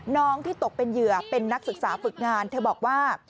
ที่ตกเป็นเหยื่อเป็นนักศึกษาฝึกงานเธอบอกว่า